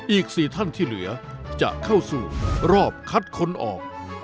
อีก๔ท่านที่เหลือจะเข้าสู่รอบคัดคนออก